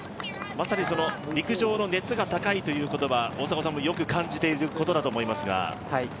陸上の熱が高いということは大迫さんもよく感じていることだと思いますが。